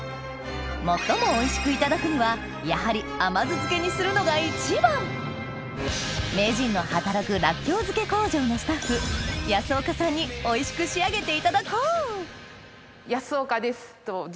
最もおいしくいただくにはやはり甘酢漬けにするのが一番名人の働くらっきょう漬け工場のスタッフ安岡さんにおいしく仕上げていただこう安岡です。